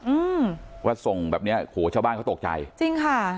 อืมว่าส่งแบบเนี้ยโหชาวบ้านเขาตกใจจริงค่ะ